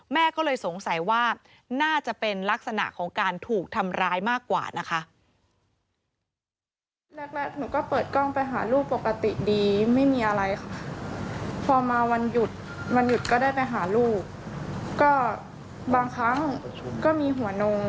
แม่ก็เลยสงสัยว่าน่าจะเป็นลักษณะของการถูกทำร้ายมากกว่านะคะ